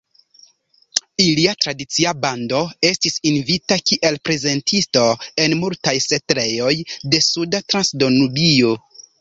Ilia "tradicia bando" estis invitita kiel prezentisto en multaj setlejoj de Suda Transdanubio.